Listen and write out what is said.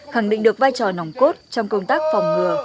khẳng định được vai trò nòng cốt trong công tác phòng ngừa